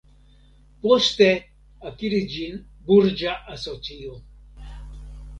Poste akiris ĝin burĝa asocio.